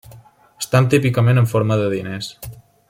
Estan típicament en forma de diners.